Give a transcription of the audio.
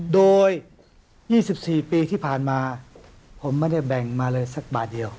โดย๒๔ปีที่ผ่านมาผมไม่ได้แบ่งมาเลยสักบาทเดียว